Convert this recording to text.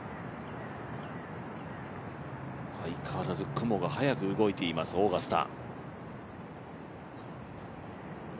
相変わらず雲が速く動いています、オーガスタ。